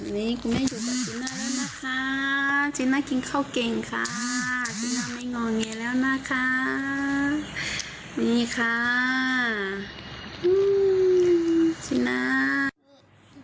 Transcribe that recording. นี่คุณแม่อยู่กับจีน่าแล้วนะคะจีน่ากินข้าวเก่งค่ะจีน่าไม่งอเงยแล้วนะคะนี่ค่ะจีน่า